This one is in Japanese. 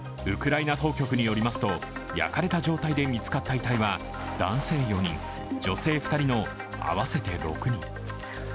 ウクライナ当局によりますと、焼かれた状態で見つかった遺体は男性４人、女性２人の合わせて６人。